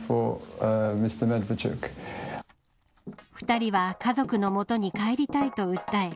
２人は家族のもとに帰りたいと訴え